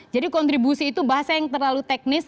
jadi kontribusi itu bahasa yang terlalu teknis